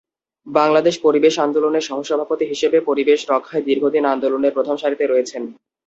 বাংলাদেশ পরিবেশ আন্দোলনের সহসভাপতি হিসেবে পরিবেশ রক্ষায় দীর্ঘদিন আন্দোলনের প্রথম সারিতে রয়েছেন।